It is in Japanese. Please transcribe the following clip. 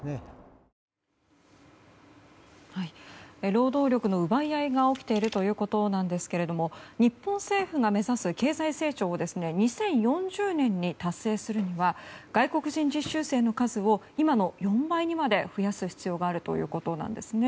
労働力の奪い合いが起きているということですが日本政府が目指す経済成長を２０４０年までに達成するには外国人実習生の数を今の４倍にまで増やす必要があるということです。